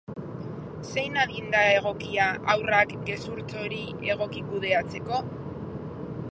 Zein adin da egokia haurrak gezurtxo hori egoki kudeatzeko?